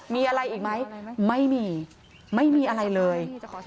มีอะไรอีกไหมไม่มีไม่มีอะไรเลย